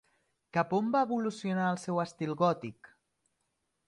Cap on va evolucionar el seu estil gòtic?